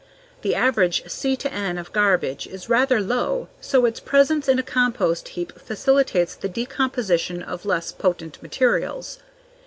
The average C/N of garbage is rather low so its presence in a compost heap facilitates the decomposition of less potent materials.